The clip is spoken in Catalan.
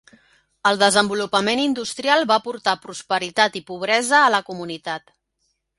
El desenvolupament industrial va portar prosperitat i pobresa a la comunitat.